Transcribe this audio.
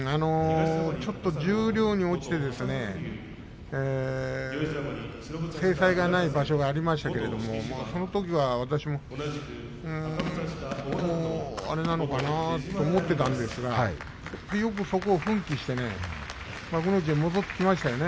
ちょっと十両に落ちて精彩がない場所がありましたけれどそのときは私ももうあれなのかなと思っていたんですがそこをよく奮起して幕内に戻ってきましたよね。